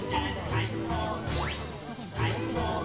「はいポーズ」